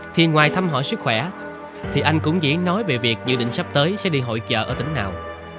thì ngoài thăm hỏi sức khỏe thì anh cũng dĩ nói về việc dự định sắp tới sẽ đi hội chợ ở tỉnh nào